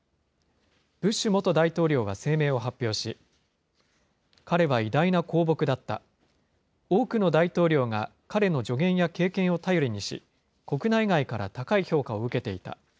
ブッシュ元大統領は声明を発表し、彼は偉大な公僕だった、多くの大統領が彼の助言や経験を頼りにし、国内外から高い評価を受けていた。